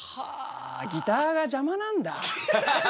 ギターが邪魔なんだ。